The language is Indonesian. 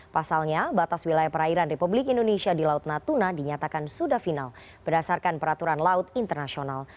pasalnya batas wilayah perairan republik indonesia di laut natuna dinyatakan sudah final berdasarkan peraturan laut internasional